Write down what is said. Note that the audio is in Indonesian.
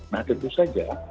nah tentu saja